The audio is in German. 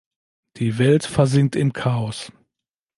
Die Welt versinkt im Chaos.